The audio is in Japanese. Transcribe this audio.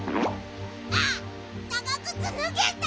あっながぐつぬげた！